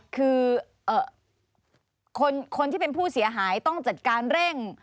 คือคนที่เป็นผู้เสียหายต้องจัดการเร่ง